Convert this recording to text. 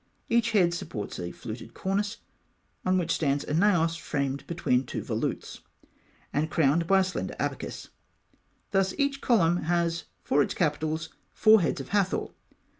Each head supports a fluted cornice, on which stands a naos framed between two volutes, and crowned by a slender abacus (fig. 71). Thus each column has for its capital four heads of Hathor.